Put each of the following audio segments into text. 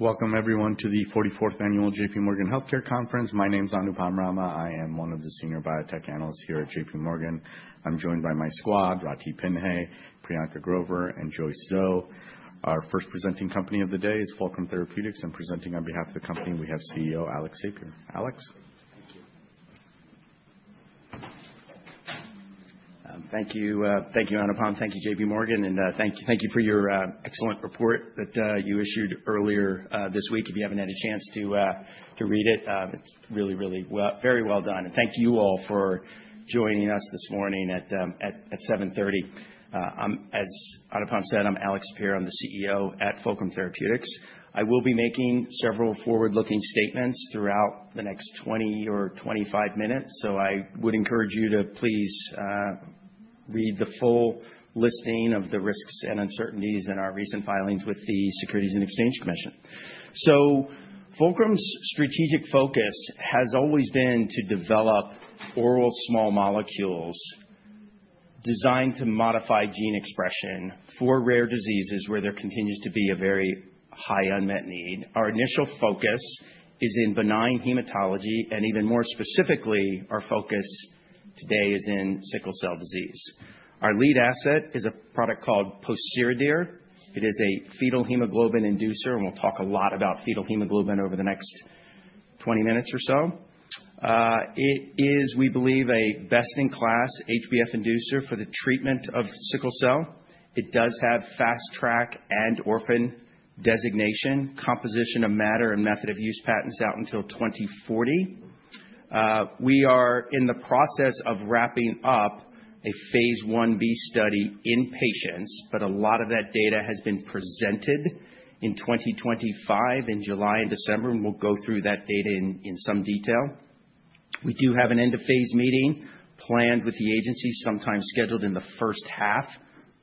Welcome, everyone, to the 44th Annual J.P. Morgan Healthcare Conference. My name's Anupam Rama. I am one of the Senior Biotech Analysts here at J.P. Morgan. I'm joined by my squad: Ratih Pinhei, Priyanka Grover, and Joyce Zhou. Our first presenting company of the day is Fulcrum Therapeutics, and presenting on behalf of the company, we have CEO Alex Sapir. Alex? Thank you. Thank you, Anupam. Thank you, J.P. Morgan, and thank you for your excellent report that you issued earlier this week. If you haven't had a chance to read it, it's really, really very well done, and thank you all for joining us this morning at 7:30 A.M. As Anupam said, I'm Alex Sapir. I'm the CEO at Fulcrum Therapeutics. I will be making several forward-looking statements throughout the next 20 or 25 minutes, so I would encourage you to please read the full listing of the risks and uncertainties in our recent filings with the Securities and Exchange Commission. So, Fulcrum's strategic focus has always been to develop oral small molecules designed to modify gene expression for rare diseases where there continues to be a very high unmet need. Our initial focus is in benign hematology, and even more specifically, our focus today is in sickle cell disease. Our lead asset is a product called pociredir. It is a fetal hemoglobin inducer, and we'll talk a lot about fetal hemoglobin over the next 20 minutes or so. It is, we believe, a best-in-class HbF inducer for the treatment of sickle cell. It does have Fast Track and Orphan designation, composition of matter and method of use patents out until 2040. We are in the process of wrapping up a phase Ib study in patients, but a lot of that data has been presented in 2025, in July and December, and we'll go through that data in some detail. We do have an end-of-phase meeting planned with the agency, sometime scheduled in the first half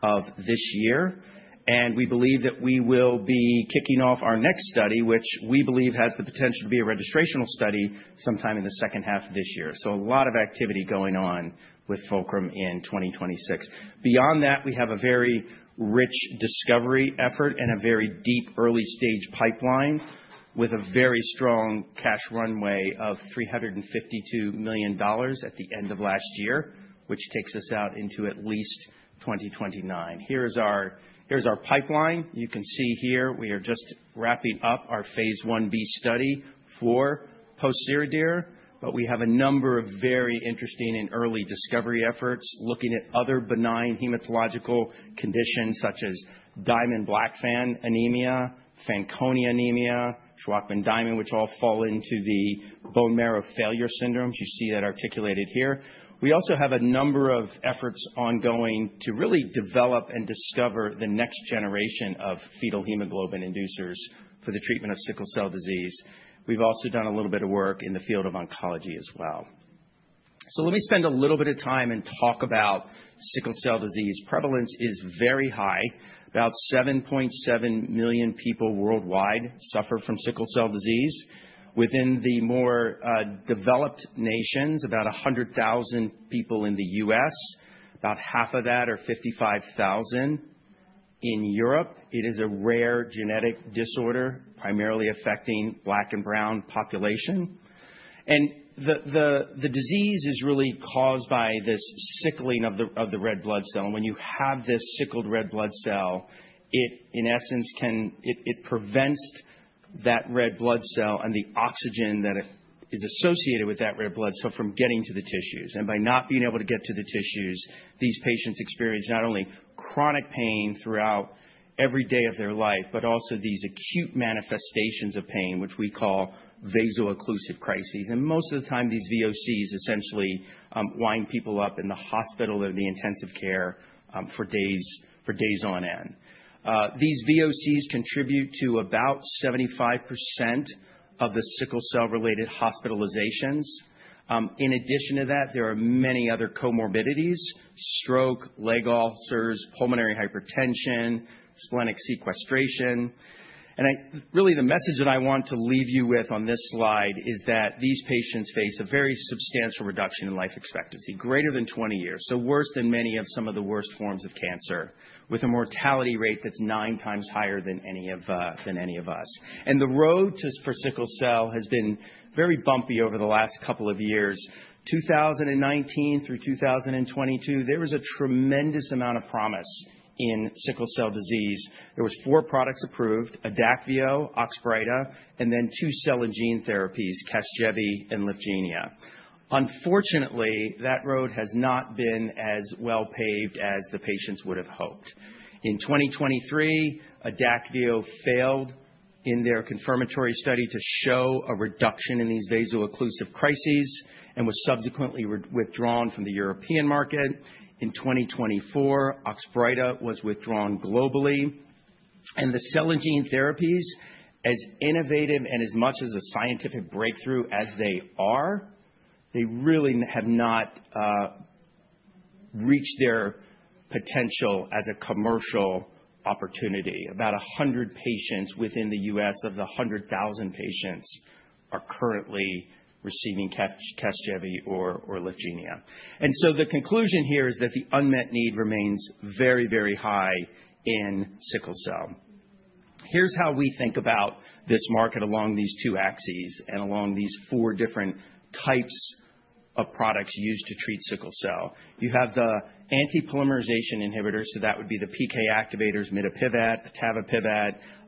of this year, and we believe that we will be kicking off our next study, which we believe has the potential to be a registrational study sometime in the second half of this year. A lot of activity going on with Fulcrum in 2026. Beyond that, we have a very rich discovery effort and a very deep early-stage pipeline with a very strong cash runway of $352 million at the end of last year, which takes us out into at least 2029. Here is our pipeline. You can see here we are just wrapping up our phase Ib study for pociredir, but we have a number of very interesting and early discovery efforts looking at other benign hematological conditions such as Diamond-Blackfan anemia, Fanconi anemia, Shwachman-Diamond, which all fall into the bone marrow failure syndromes. You see that articulated here. We also have a number of efforts ongoing to really develop and discover the next generation of fetal hemoglobin inducers for the treatment of sickle cell disease. We've also done a little bit of work in the field of oncology as well. Let me spend a little bit of time and talk about sickle cell disease. Prevalence is very high. About 7.7 million people worldwide suffer from sickle cell disease. Within the more developed nations, about 100,000 people in the US, about half of that are 55,000. In Europe, it is a rare genetic disorder primarily affecting Black and brown population. The disease is really caused by this sickling of the red blood cell. When you have this sickled red blood cell, it, in essence, can prevent that red blood cell and the oxygen that is associated with that red blood cell from getting to the tissues. By not being able to get to the tissues, these patients experience not only chronic pain throughout every day of their life, but also these acute manifestations of pain, which we call vaso-occlusive crises. Most of the time, these VOCs essentially wind people up in the hospital or the intensive care for days on end. These VOCs contribute to about 75% of the sickle cell-related hospitalizations. In addition to that, there are many other comorbidities: stroke, leg ulcers, pulmonary hypertension, splenic sequestration. Really, the message that I want to leave you with on this slide is that these patients face a very substantial reduction in life expectancy, greater than 20 years, so worse than many of some of the worst forms of cancer, with a mortality rate that's 9X higher than any of us. The road for sickle cell has been very bumpy over the last couple of years. 2019 through 2022, there was a tremendous amount of promise in sickle cell disease. There were four products approved: Adakveo, Oxbrita, and then two cell and gene therapies, Casgevy and Lyfgenia. Unfortunately, that road has not been as well paved as the patients would have hoped. In 2023, Adakveo failed in their confirmatory study to show a reduction in these vaso-occlusive crises and was subsequently withdrawn from the European market. In 2024, Oxbrita was withdrawn globally. And the cell and gene therapies, as innovative and as much as a scientific breakthrough as they are, they really have not reached their potential as a commercial opportunity. About 100 patients within the U.S., of the 100,000 patients, are currently receiving Casgevy or Lyfgenia. And so the conclusion here is that the unmet need remains very, very high in sickle cell. Here's how we think about this market along these two axes and along these four different types of products used to treat sickle cell. You have the anti-polymerization inhibitors, so that would be the PK activators, mitapivat,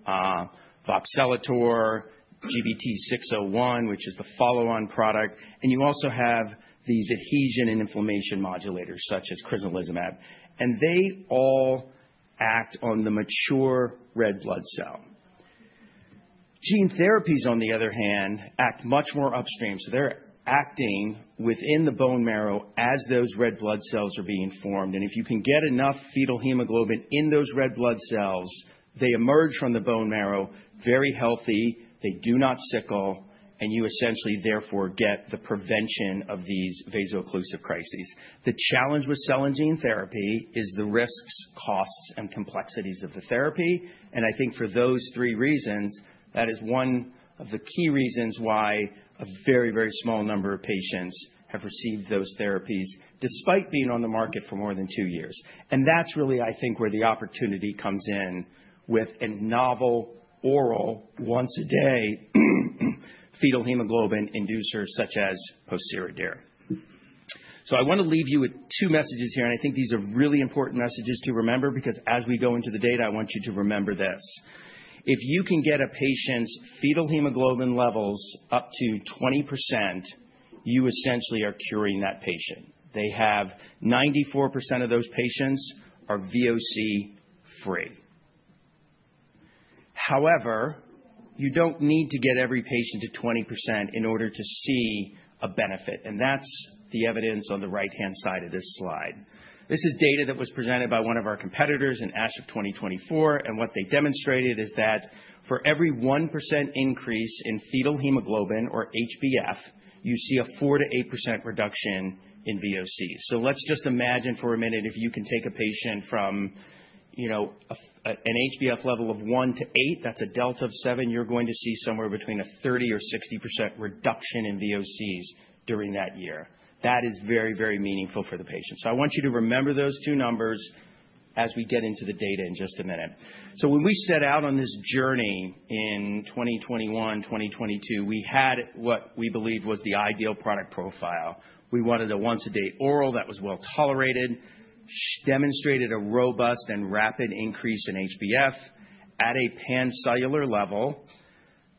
etavopivat, voxelitor, GBT-601, which is the follow-on product. And you also have these adhesion and inflammation modulators, such as crizolizumab. And they all act on the mature red blood cell. Gene therapies, on the other hand, act much more upstream. So they're acting within the bone marrow as those red blood cells are being formed. And if you can get enough fetal hemoglobin in those red blood cells, they emerge from the bone marrow very healthy. They do not sickle, and you essentially, therefore, get the prevention of these vaso-occlusive crises. The challenge with cell and gene therapy is the risks, costs, and complexities of the therapy. I think for those three reasons, that is one of the key reasons why a very, very small number of patients have received those therapies, despite being on the market for more than 2 years. That's really, I think, where the opportunity comes in with a novel oral, once-a-day fetal hemoglobin inducer, such as pociredir. I want to leave you with two messages here, and I think these are really important messages to remember, because as we go into the data, I want you to remember this. If you can get a patient's fetal hemoglobin levels up to 20%, you essentially are curing that patient. They have 94% of those patients are VOC-free. However, you don't need to get every patient to 20% in order to see a benefit. That's the evidence on the right-hand side of this slide. This is data that was presented by one of our competitors in ASH of 2024, and what they demonstrated is that for every 1% increase in fetal hemoglobin, or HbF, you see a 4%-8 reduction in VOCs. Let's just imagine for a minute, if you can take a patient from an HbF level of 1%-8, that's a delta of 7, you're going to see somewhere between a 30% or 60 reduction in VOCs during that year. That is very, very meaningful for the patient, so I want you to remember those two numbers as we get into the data in just a minute, so when we set out on this journey in 2021, 2022, we had what we believed was the ideal product profile. We wanted a once-a-day oral that was well tolerated, demonstrated a robust and rapid increase in HbF at a pan-cellular level.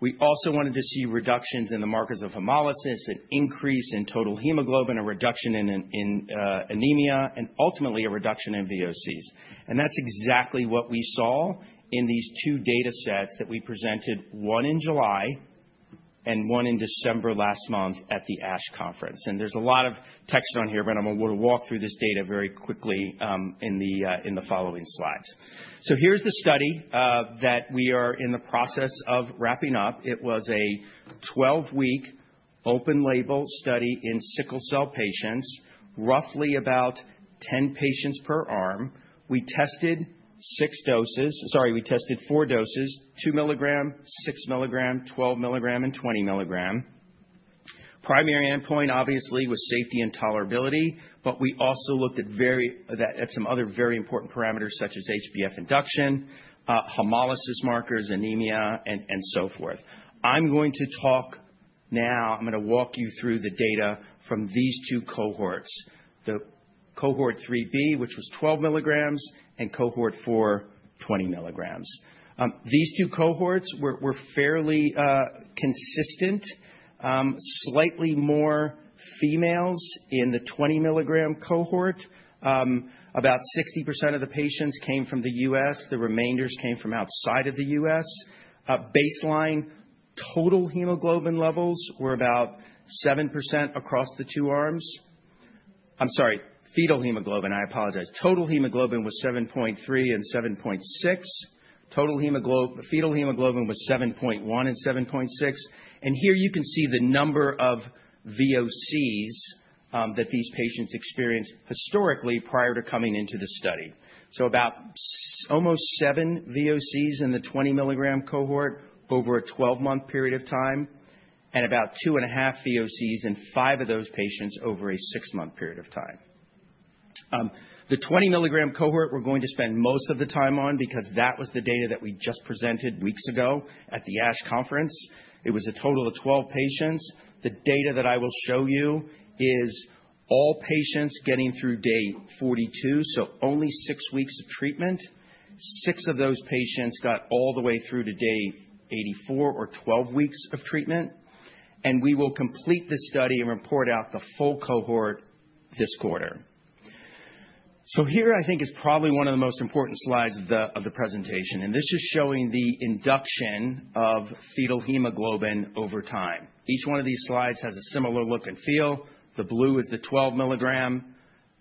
We also wanted to see reductions in the markers of hemolysis, an increase in total hemoglobin, a reduction in anemia, and ultimately a reduction in VOCs. That's exactly what we saw in these two data sets that we presented, one in July and one in December last month at the ASH Conference. There's a lot of text on here, but I'm going to walk through this data very quickly in the following slides. Here's the study that we are in the process of wrapping up. It was a 12-week open-label study in sickle cell patients, roughly about 10 patients per arm. We tested 6 doses, sorry, we tested 4 doses: 2mg, 6mg, 12mg, and 20mg. Primary endpoint, obviously, was safety and tolerability, but we also looked at some other very important parameters, such as HbF induction, hemolysis markers, anemia, and so forth. I'm going to talk now. I'm going to walk you through the data from these 2 cohorts: the cohort 3B, which was 12mg, and cohort 4, 20mg. These 2 cohorts were fairly consistent. Slightly more females in the 20mg cohort. About 60% of the patients came from the US ,the remainders came from outside of the U.S. Baseline total hemoglobin levels were about 7% across the 2 arms. I'm sorry, fetal hemoglobin, I apologize. Total hemoglobin was 7.3 and 7.6. Total fetal hemoglobin was 7.1 and 7.6. And here you can see the number of VOCs that these patients experienced historically prior to coming into the study. So about almost seven VOCs in the 20 mg cohort over a 12-month period of time, and about 2.5 VOCs in five of those patients over a 6-month period of time. The 20mg cohort we're going to spend most of the time on, because that was the data that we just presented weeks ago at the ASH Conference. It was a total of 12 patients. The data that I will show you is all patients getting through day 42, so only 6 weeks of treatment. 6 of those patients got all the way through to day 84, or 12 weeks of treatment. And we will complete this study and report out the full cohort this quarter. So here, I think, is probably one of the most important slides of the presentation. And this is showing the induction of fetal hemoglobin over time. Each one of these slides has a similar look and feel. The blue is the 12mg.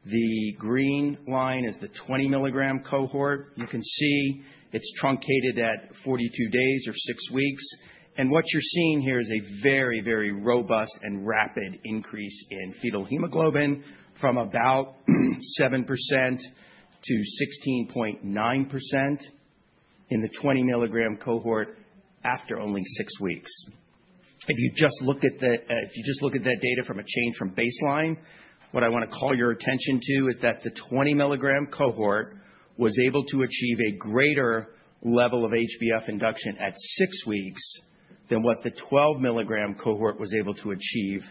The green line is the 20mg cohort. You can see it's truncated at 42 days, or 6 weeks. What you're seeing here is a very, very robust and rapid increase in fetal hemoglobin from about 7%-16.9 in the 20mg cohort after only 6 weeks. If you just look at that data from a change from baseline, what I want to call your attention to is that the 20mg cohort was able to achieve a greater level of HbF induction at 6 weeks than what the 12mg cohort was able to achieve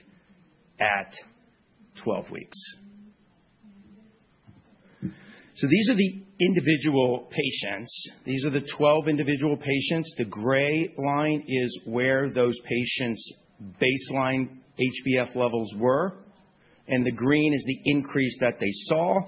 at 12 weeks. These are the individual patients. These are the 12 individual patients. The gray line is where those patients' baseline HbF levels were. The green is the increase that they saw.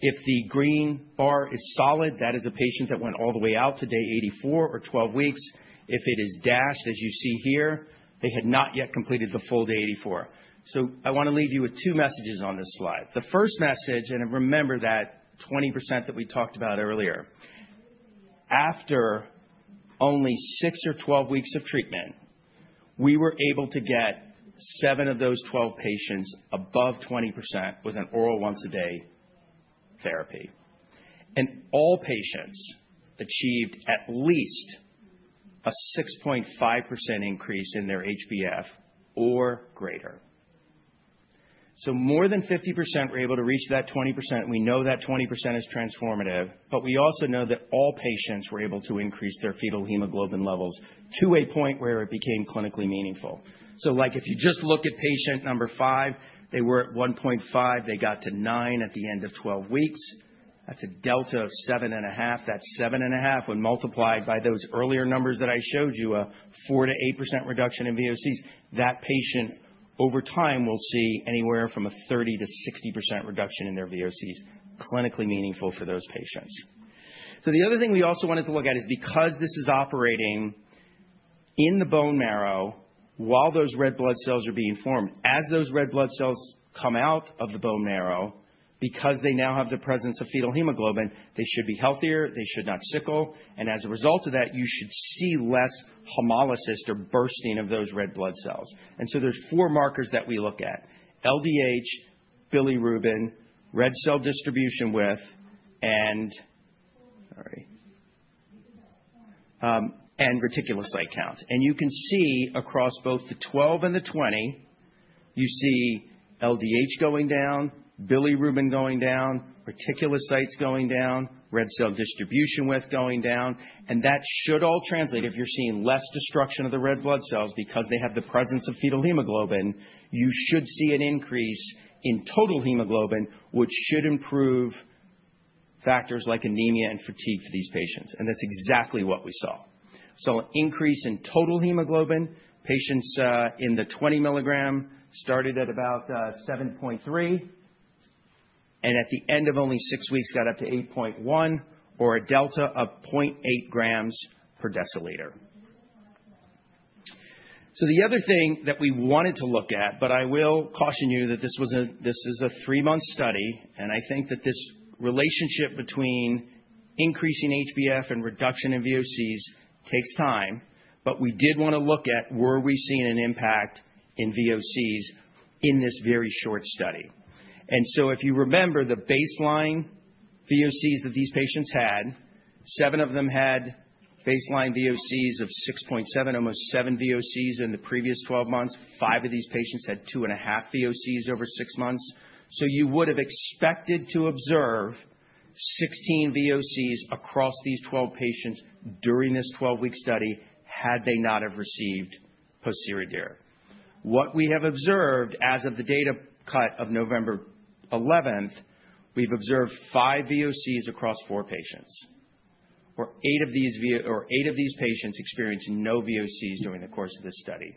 If the green bar is solid, that is a patient that went all the way out to day 84, or 12 weeks. If it is dashed, as you see here, they had not yet completed the full day 84. So I want to leave you with two messages on this slide. The first message (and remember that 20% that we talked about earlier) after only 6 or 12 weeks of treatment, we were able to get seven of those 12 patients above 20% with an oral once-a-day therapy. And all patients achieved at least a 6.5% increase in their HbF, or greater. So more than 50% were able to reach that 20%. We know that 20% is transformative. But we also know that all patients were able to increase their fetal hemoglobin levels to a point where it became clinically meaningful. So like if you just look at patient number 5, they were at 1.5. They got to 9 at the end of 12 weeks. That's a delta of 7.5. That 7.5, when multiplied by those earlier numbers that I showed you, a 4%-8 reduction in VOCs, that patient, over time, will see anywhere from a 30%-60 reduction in their VOCs, clinically meaningful for those patients, so the other thing we also wanted to look at is, because this is operating in the bone marrow, while those red blood cells are being formed, as those red blood cells come out of the bone marrow, because they now have the presence of fetal hemoglobin, they should be healthier, they should not sickle, and as a result of that, you should see less hemolysis or bursting of those red blood cells, and so there's four markers that we look at: LDH, bilirubin, red cell distribution width, and reticulocyte count. You can see across both the 12 and the 20. You see LDH going down, bilirubin going down, reticulocytes going down, red cell distribution width going down. That should all translate if you're seeing less destruction of the red blood cells because they have the presence of fetal hemoglobin. You should see an increase in total hemoglobin, which should improve factors like anemia and fatigue for these patients. That's exactly what we saw. An increase in total hemoglobin. Patients in the 20mg started at about 7.3, and at the end of only six weeks, got up to 8.1, or a delta of 0.8g/dL. So the other thing that we wanted to look at, but I will caution you that this is a 3-month study, and I think that this relationship between increasing HbF and reduction in VOCs takes time, but we did want to look at, were we seeing an impact in VOCs in this very short study? And so if you remember the baseline VOCs that these patients had, seven of them had baseline VOCs of 6.7, almost 7 VOCs in the previous 12 months. Five of these patients had 2.5 VOCs over 6 months. So you would have expected to observe 16 VOCs across these 12 patients during this 12-week study had they not have received pociredir. What we have observed as of the data cut of November 11th, we've observed 5 VOCs across 4 patients, or 8 of these patients experienced no VOCs during the course of this study.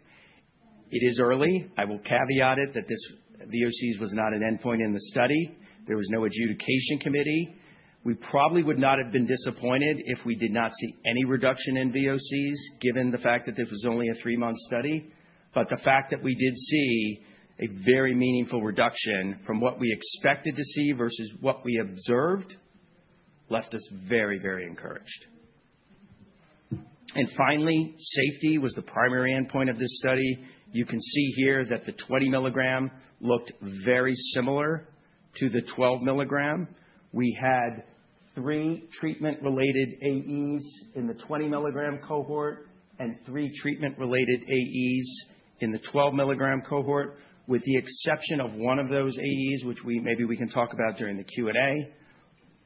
It is early. I will caveat it that this VOCs was not an endpoint in the study. There was no adjudication committee. We probably would not have been disappointed if we did not see any reduction in VOCs, given the fact that this was only a 3-month study, but the fact that we did see a very meaningful reduction from what we expected to see versus what we observed left us very, very encouraged, and finally, safety was the primary endpoint of this study. You can see here that the 20mg looked very similar to the 12mg. We had 3 treatment-related AEs in the 20mg cohort and 3 treatment-related AEs in the 12mg cohort, with the exception of one of those AEs, which maybe we can talk about during the Q&A.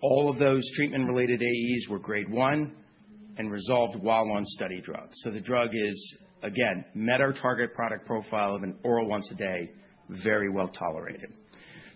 All of those treatment-related AEs were grade 1 and resolved while on study drug. So the drug is, again, met our target product profile of an oral once-a-day, very well tolerated.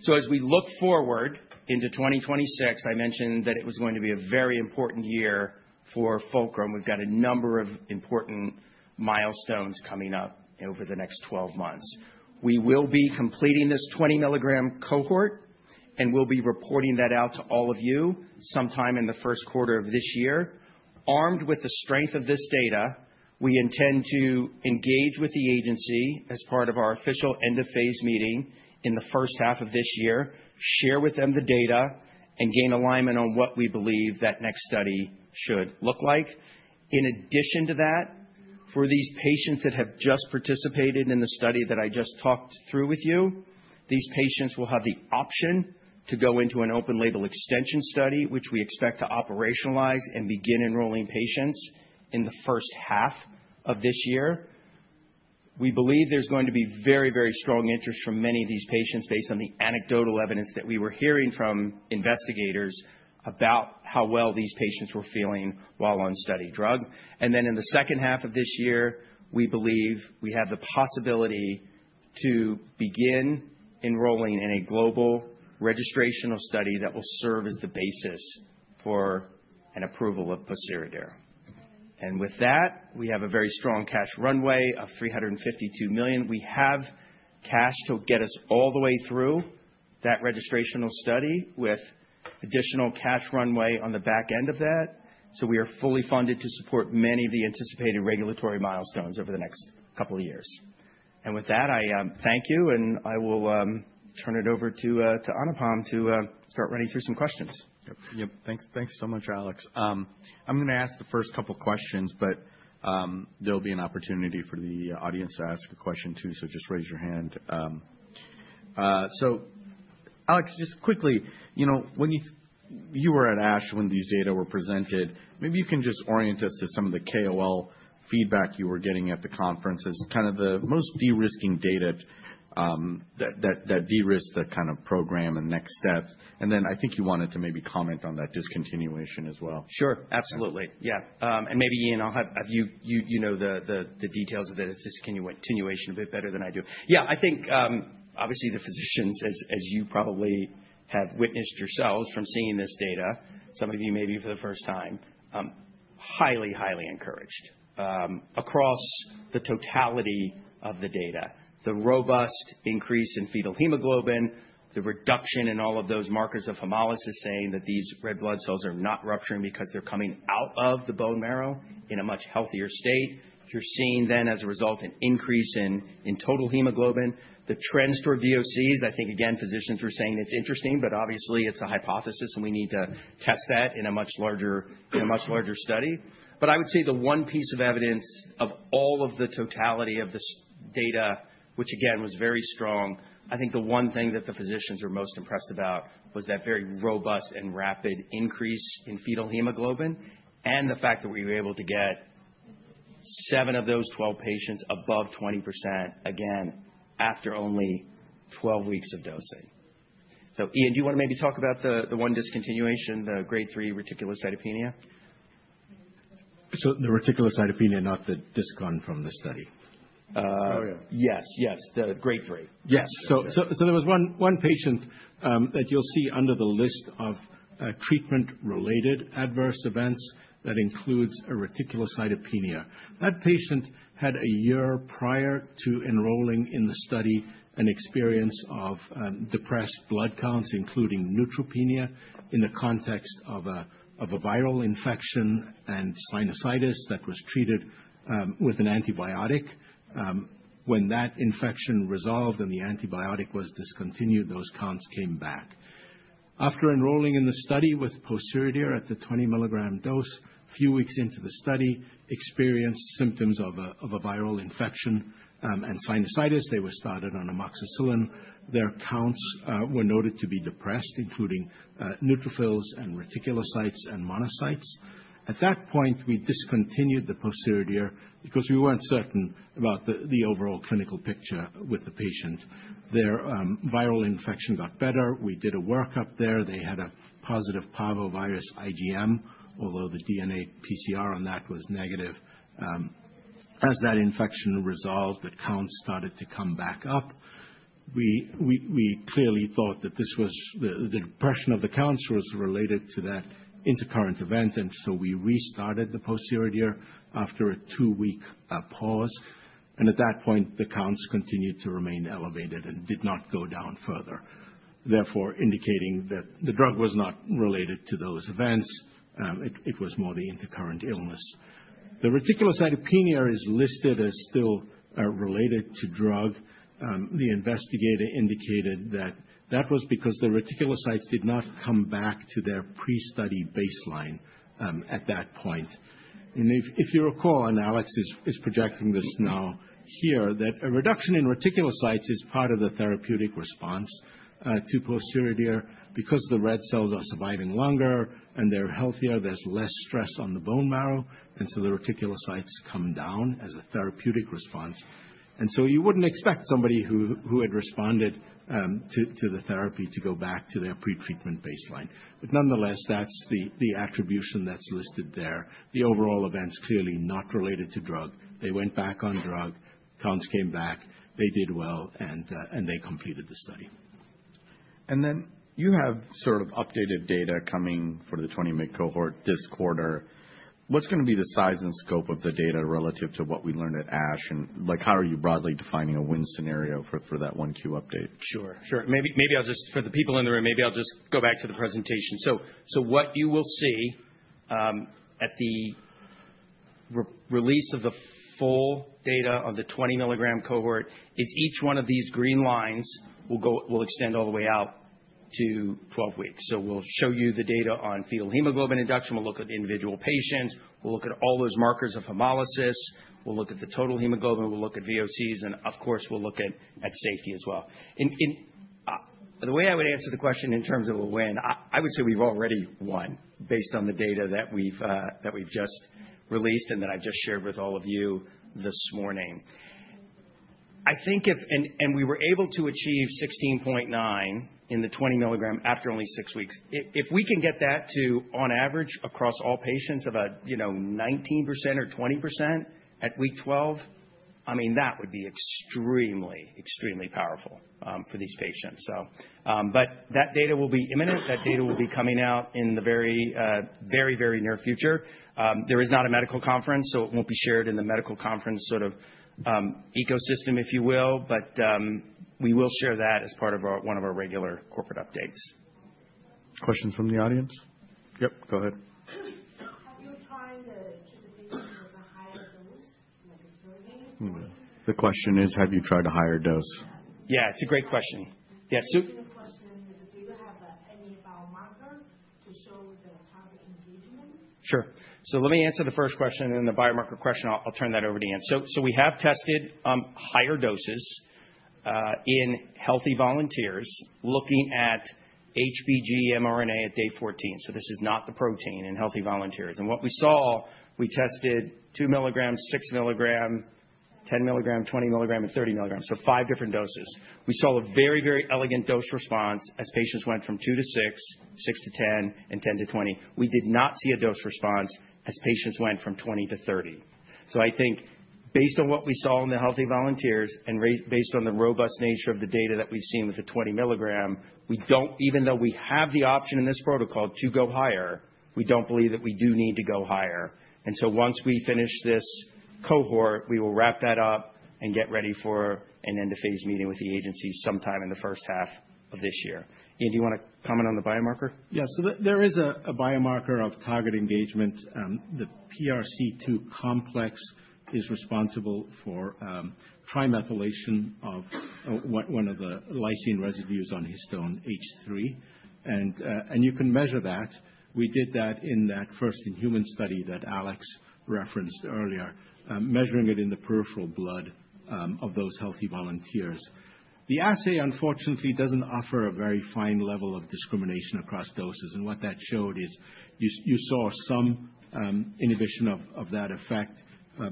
So as we look forward into 2026, I mentioned that it was going to be a very important year for Fulcrum. We've got a number of important milestones coming up over the next 12 months. We will be completing this 20mg cohort and will be reporting that out to all of you sometime in the of this year Q1 Armed with the strength of this data, we intend to engage with the agency as part of our official end-of-phase meeting in the first half of this year, share with them the data, and gain alignment on what we believe that next study should look like. In addition to that, for these patients that have just participated in the study that I just talked through with you, these patients will have the option to go into an open-label extension study, which we expect to operationalize and begin enrolling patients in the 1st half of this year. We believe there's going to be very, very strong interest from many of these patients based on the anecdotal evidence that we were hearing from investigators about how well these patients were feeling while on study drug. And then in the 2nd half of this year, we believe we have the possibility to begin enrolling in a global registrational of study that will serve as the basis for an approval of pociredir. And with that, we have a very strong cash runway of $352 million. We have cash to get us all the way through that registrational of study with additional cash runway on the back end of that. So we are fully funded to support many of the anticipated regulatory milestones over the next couple of years. And with that, I thank you, and I will turn it over to Anupam to start running through some questions. Yep. Thanks so much, Alex. I'm going to ask the first couple of questions, but there'll be an opportunity for the audience to ask a question too, so just raise your hand. So Alex, just quickly, when you were at ASH when these data were presented, maybe you can just orient us to some of the KOL feedback you were getting at the conference as kind of the most de-risking data that de-risked the kind of program and next steps. And then I think you wanted to maybe comment on that discontinuation as well. Sure. Absolutely. Yeah. And maybe, Iain, I'll have you know the details of the discontinuation a bit better than I do. Yeah, I think, obviously, the physicians, as you probably have witnessed yourselves from seeing this data, some of you maybe for the 1st time, highly, highly encouraged across the totality of the data. The robust increase in fetal hemoglobin, the reduction in all of those markers of hemolysis saying that these red blood cells are not rupturing because they're coming out of the bone marrow in a much healthier state. You're seeing then, as a result, an increase in total hemoglobin. The trends toward VOCs, I think, again, physicians were saying it's interesting, but obviously, it's a hypothesis, and we need to test that in a much larger study. But I would say the 1 piece of evidence of all of the totality of this data, which again was very strong. I think the one thing that the physicians are most impressed about was that very robust and rapid increase in fetal hemoglobin and the fact that we were able to get seven of those 12 patients above 20% again after only 12 weeks of dosing. So Iain, do you want to maybe talk about the one discontinuation, the grade 3 reticulocytopenia? So the reticulocytopenia, not disgone from the study? Yes, yes. The grade 3. Yes. So there was one patient that you'll see under the list of treatment-related adverse events that includes a reticulocytopenia. That patient had a year prior to enrolling in the study an experience of depressed blood counts, including neutropenia in the context of a viral infection and sinusitis that was treated with an antibiotic. When that infection resolved and the antibiotic was discontinued, those counts came back. After enrolling in the study with pociredir at the 20mg dose, a few weeks into the study, experienced symptoms of a viral infection and sinusitis. They were started on amoxicillin. Their counts were noted to be depressed, including neutrophils and reticulocytes and monocytes. At that point, we discontinued the pociredir because we weren't certain about the overall clinical picture with the patient. Their viral infection got better. We did a workup there. They had a positive Parvovirus IgM, although the DNA PCR on that was negative. As that infection resolved, the counts started to come back up. We clearly thought that this was the depression of the counts was related to that intercurrent event, and so we restarted the Pociredir after a two-week pause. And at that point, the counts continued to remain elevated and did not go down further, therefore indicating that the drug was not related to those events. It was more the intercurrent illness. The reticulocytopenia is listed as still related to drug. The investigator indicated that that was because the reticulocytes did not come back to their pre-study baseline at that point. If you recall, and Alex is projecting this now here, that a reduction in reticulocytes is part of the therapeutic response to Pociredir because the red cells are surviving longer and they're healthier, there's less stress on the bone marrow, and so the reticulocytes come down as a therapeutic response. You wouldn't expect somebody who had responded to the therapy to go back to their pre-treatment baseline. Nonetheless, that's the attribution that's listed there. The overall events clearly not related to drug. They went back on drug. Counts came back. They did well, and they completed the study. You have sort of updated data coming for the 20mg cohort this quarter. What's going to be the size and scope of the data relative to what we learned at Ash? How are you broadly defining a win scenario for that 1Q update? Sure, sure. Maybe I'll just, for the people in the room, maybe I'll just go back to the presentation. So what you will see at the release of the full data on the 20mg cohort is each one of these green lines will extend all the way out to 12 weeks. So we'll show you the data on fetal hemoglobin induction. We'll look at individual patients. We'll look at all those markers of hemolysis. We'll look at the total hemoglobin. We'll look at VOCs, and of course, we'll look at safety as well. The way I would answer the question in terms of a win, I would say we've already won based on the data that we've just released and that I've just shared with all of you this morning. I think if and we were able to achieve 16.9 in the 20 mg after only six weeks, if we can get that to, on average, across all patients of a 19% or 20 at week 12, I mean, that would be extremely, extremely powerful for these patients. But that data will be imminent. That data will be coming out in the very, very, very near future. There is not a medical conference, so it won't be shared in the medical conference sort of ecosystem, if you will, but we will share that as part of one of our regular corporate updates. Question from the audience? Yep, go ahead. Have you tried the treatment with a higher dose like a survey? The question is, have you tried a higher dose? Yeah, it's a great question. Yeah. Question is? Do you have any biomarkers to show the target engagement? Sure. So let me answer the first question, and then the biomarker question, I'll turn that over to Iain. So we have tested higher doses in healthy volunteers looking at HBG mRNA at day 14. So this is not the protein in healthy volunteers. And what we saw, we tested 2mg, 6mg, 10mg, 20mg, and 30mg, so 5 different doses. We saw a very, very elegant dose response as patients went from 2-6, 6-10, and 10-20. We did not see a dose response as patients went from 20-30. So, I think based on what we saw in the healthy volunteers and based on the robust nature of the data that we've seen with the 20mg, we don't, even though we have the option in this protocol to go higher, we don't believe that we do need to go higher. And so once we finish this cohort, we will wrap that up and get ready for an end-of-phase meeting with the agency sometime in the first half of this year. Iain, do you want to comment on the biomarker? Yeah. So there is a biomarker of target engagement. The PRC2 complex is responsible for trimethylation of one of the lysine residues on histone H3. And you can measure that. We did that in that first-in-human study that Alex referenced earlier, measuring it in the peripheral blood of those healthy volunteers. The assay, unfortunately, doesn't offer a very fine level of discrimination across doses. And what that showed is you saw some inhibition of that effect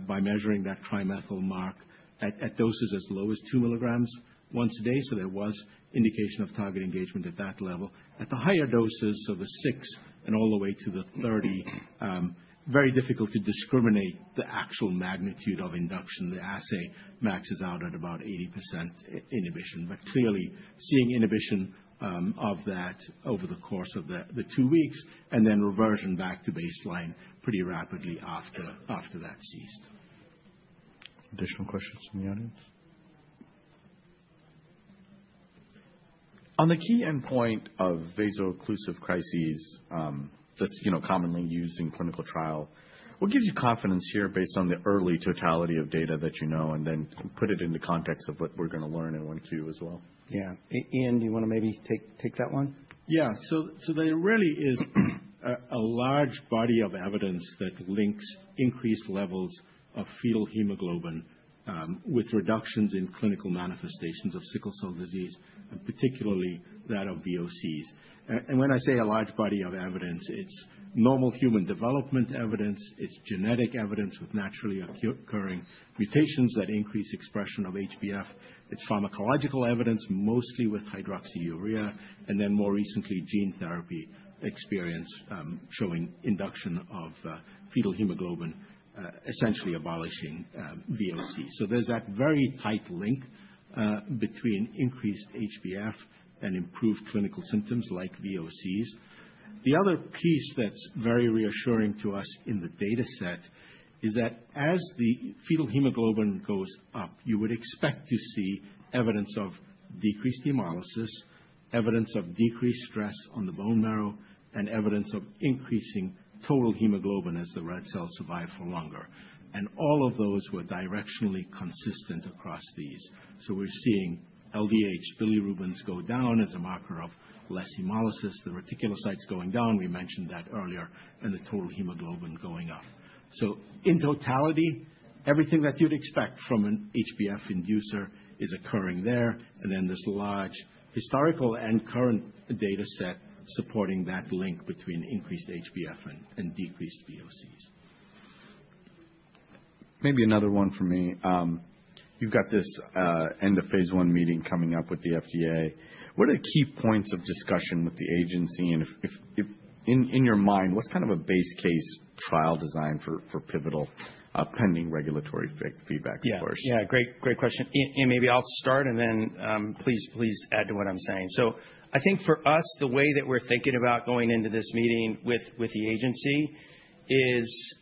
by measuring that trimethyl mark at doses as low as two mg once a day. So there was indication of target engagement at that level. At the higher doses of a 6 and all the way to the 30, very difficult to discriminate the actual magnitude of induction. The assay maxes out at about 80% inhibition. But clearly, seeing inhibition of that over the course of the 2 weeks and then reversion back to baseline pretty rapidly after that ceased. Additional questions from the audience? On the key endpoint of vaso-occlusive crises, that's commonly used in clinical trial. What gives you confidence here based on the early totality of data that you know and then put it into context of what we're going to learn in 1Q as well? Yeah. Iain, do you want to maybe take that one? Yeah. So there really is a large body of evidence that links increased levels of fetal hemoglobin with reductions in clinical manifestations of sickle cell disease, and particularly that of VOCs. And when I say a large body of evidence, it's normal human development evidence. It's genetic evidence with naturally occurring mutations that increase expression of HbF. It’s pharmacological evidence, mostly with hydroxyurea, and then more recently, gene therapy experience showing induction of fetal hemoglobin essentially abolishing VOCs. There’s that very tight link between increased HbF and improved clinical symptoms like VOCs. The other piece that’s very reassuring to us in the dataset is that as the fetal hemoglobin goes up, you would expect to see evidence of decreased hemolysis, evidence of decreased stress on the bone marrow, and evidence of increasing total hemoglobin as the red cells survive for longer. All of those were directionally consistent across these. We’re seeing LDH, bilirubin go down as a marker of less hemolysis, the reticulocytes going down. We mentioned that earlier, and the total hemoglobin going up. In totality, everything that you’d expect from an HbF inducer is occurring there. And then this large historical and current dataset supporting that link between increased HbF and decreased VOCs. Maybe another one for me. You've got this end-of-phase one meeting coming up with the FDA. What are the key points of discussion with the agency? And in your mind, what's kind of a base case trial design for pivotal pending regulatory feedback for SCD? Yeah, yeah. Great, great question. Iain, maybe I'll start, and then please add to what I'm saying. So I think for us, the way that we're thinking about going into this meeting with the agency is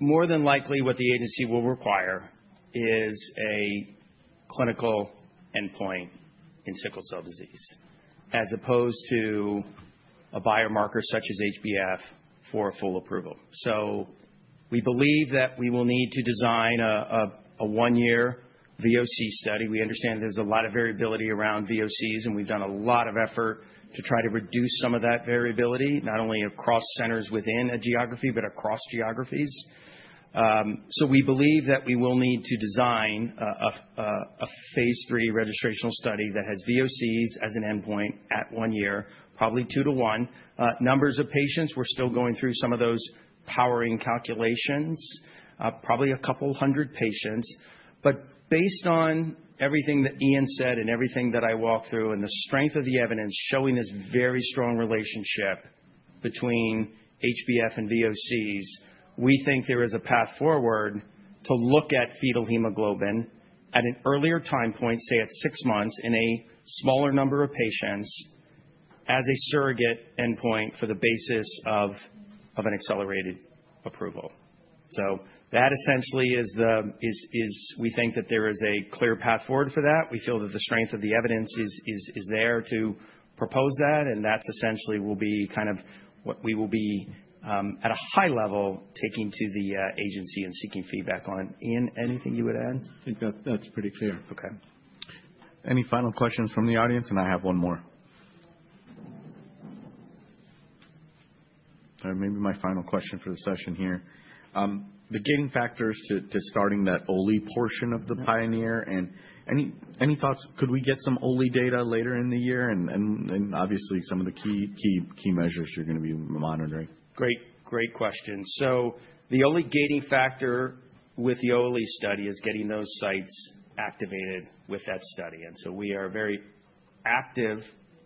more than likely what the agency will require is a clinical endpoint in sickle cell disease as opposed to a biomarker such as HbF for a full approval. So we believe that we will need to design a one-year VOC study. We understand there's a lot of variability around VOCs, and we've done a lot of effort to try to reduce some of that variability, not only across centers within a geography, but across geographies. So we believe that we will need to design a phase three registrational study that has VOCs as an endpoint at one year, probably two to one. Numbers of patients, we're still going through some of those powering calculations, probably a couple hundred patients. But based on everything that Iain said and everything that I walked through and the strength of the evidence showing this very strong relationship between HbF and VOCs, we think there is a path forward to look at fetal hemoglobin at an earlier time point, say at 6 months in a smaller number of patients as a surrogate endpoint for the basis of an accelerated approval. So that essentially is the, we think that there is a clear path forward for that. We feel that the strength of the evidence is there to propose that, and that's essentially will be kind of what we will be at a high level taking to the agency and seeking feedback on. Iain, anything you would add? I think that's pretty clear. Okay. Any final questions from the audience? And I have one more. Maybe my final question for the session here. The gating factors to starting that OLE portion of the pioneer, and any thoughts? Could we get some OLE data later in the year? And obviously, some of the key measures you're going to be monitoring. Great, great question. So the only gating factor with the OLE study is getting those sites activated with that study. And so we are very active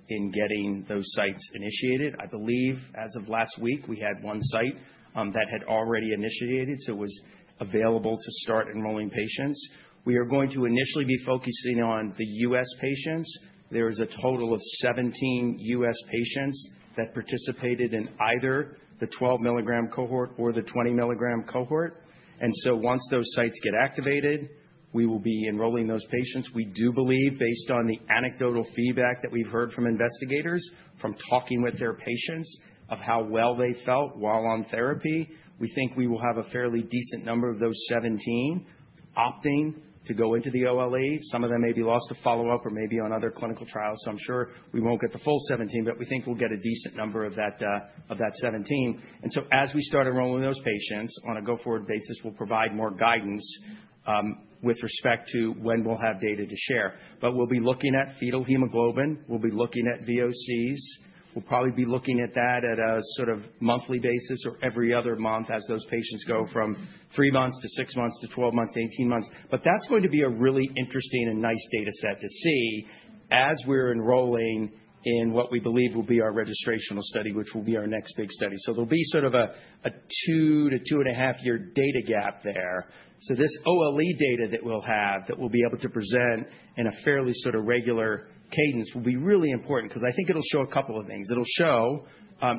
in getting those sites initiated. I believe as of last week, we had one site that had already initiated, so it was available to start enrolling patients. We are going to initially be focusing on the US patients. There is a total of 17 US patients that participated in either the 12mg cohort or the 20mg cohort. And so once those sites get activated, we will be enrolling those patients. We do believe, based on the anecdotal feedback that we've heard from investigators, from talking with their patients of how well they felt while on therapy, we think we will have a fairly decent number of those 17 opting to go into the OLE. Some of them may be lost to follow-up or maybe on other clinical trials. So I'm sure we won't get the full 17, but we think we'll get a decent number of that 17. And so as we start enrolling those patients on a go-forward basis, we'll provide more guidance with respect to when we'll have data to share. But we'll be looking at fetal hemoglobin. We'll be looking at VOCs. We'll probably be looking at that at a sort of monthly basis or every other month as those patients go from three months to six months to 12-18 months. But that's going to be a really interesting and nice dataset to see as we're enrolling in what we believe will be our registrational study, which will be our next big study. So there'll be sort of a 2-2.5 data gap there. So this OLE data that we'll have that we'll be able to present in a fairly sort of regular cadence will be really important because I think it'll show a couple of things. It'll show,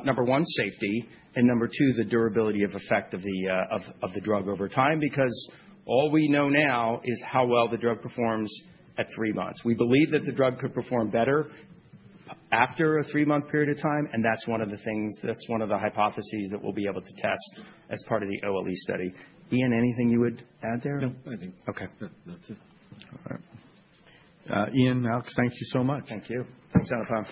number 1, safety, and number 2, the durability of effect of the drug over time because all we know now is how well the drug performs at three months. We believe that the drug could perform better after a 3-month period of time, and that's one of the things, that's one of the hypotheses that we'll be able to test as part of the OLE study. Iain, anything you would add there? No, I think that's it. Okay. All right. Iain, Alex, thank you so much. Thank you. Thanks, Anupam.